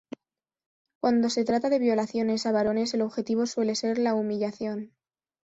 Cuando se trata de violaciones a varones el objetivo suele ser la humillación.